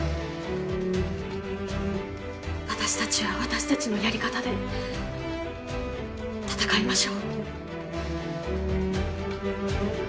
私たちは私たちのやり方で戦いましょう。